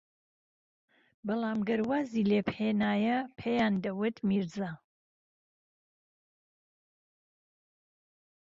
بەڵام گەر وازی لێبھێنایە پێیان دەوت میرزا